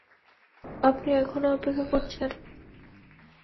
আপনি এখনও অপেক্ষা করছেন?